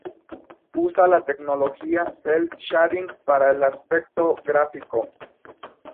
Usa la tecnología cel shading para el aspecto gráfico.